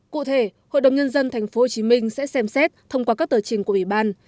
cụ thể hội đồng nhân dân tp hcm sẽ xem xét thông qua các tờ trình của ủy ban